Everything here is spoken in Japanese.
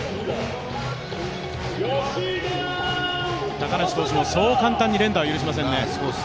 高梨投手も、そう簡単に連打は許しませんね。